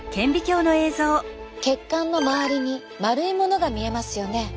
血管の周りに丸いものが見えますよね。